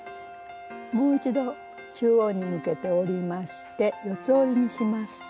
もう一度中央に向けて折りまして四つ折りにします。